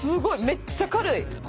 めっちゃ軽い！